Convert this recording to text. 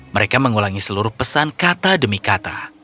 mereka mengulangi seluruh pesan kata demi kata